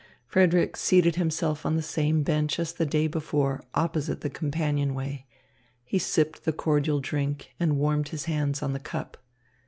Frederick seated himself on the same bench as the day before, opposite the companionway. He sipped the cordial drink and warmed his hands on the cup.